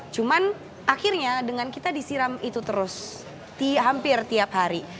cuman akhirnya dengan kita disiram itu terus hampir tiap hari